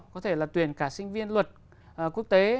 có thể là tuyển cả sinh viên luật quốc tế